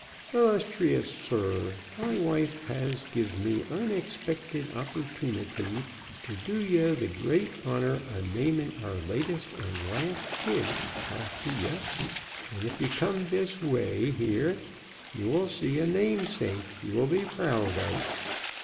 Illustrious Sir: My wife has give me unexpeckted opertunety ter do ye the grate onner of namin our latest and last kid after ye and if ye cum this here way ye will see a namesake ye will be prowd of.